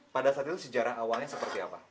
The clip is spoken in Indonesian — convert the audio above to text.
pada saat itu sejarah awalnya seperti apa